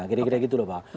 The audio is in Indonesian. kira kira gitu loh pak